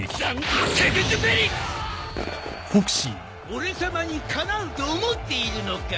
俺さまにかなうと思っているのか？